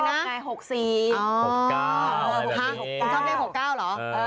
๖๙เดี๋ยวสิเค้าเล่ว๖๙เหรอ